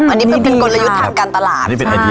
อันนี้พูดเป็นกลยุทธ์ทางการตลาด